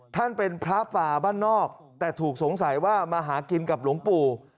ท่านเป็นพระป่าบ้านนอกแต่ถูกสงสัยว่ามาหากินกับหลวงปู่